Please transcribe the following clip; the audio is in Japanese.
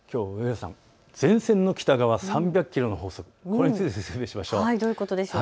前線の北側３００キロの法則、これについて説明しましょう。